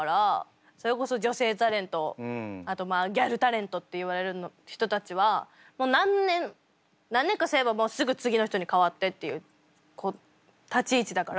それこそ女性タレントあとまあギャルタレントっていわれる人たちは何年かすればすぐ次の人に替わってっていう立ち位置だから。